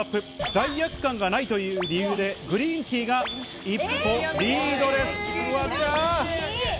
罪悪感がないという理由でグリーンティーが一歩リードです。